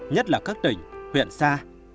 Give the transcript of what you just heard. nhất là các tỉnh huyện xa